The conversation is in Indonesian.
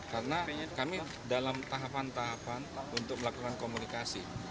karena kami dalam tahapan tahapan untuk melakukan komunikasi